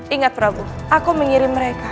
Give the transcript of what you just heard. ingat prabu aku mengirim mereka